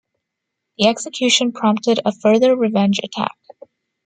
The execution prompted a further revenge attack.